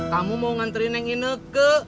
kamu mau nganterin yang ini ke